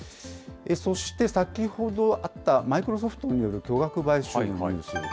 そして、先ほどあったマイクロソフトによる巨額買収のニュース。